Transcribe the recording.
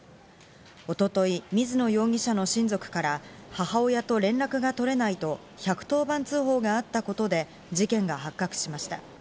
一昨日、水野容疑者の親族から母親と連絡が取れないと１１０番通報があったことで事件が発覚しました。